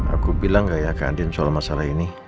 aku bilang gak ya ke andin soal masalah ini